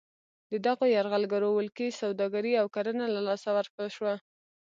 د دغو یرغلګرو ولکې سوداګري او کرنه له لاسه ورکړل شوه.